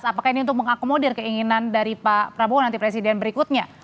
apakah ini untuk mengakomodir keinginan dari pak prabowo nanti presiden berikutnya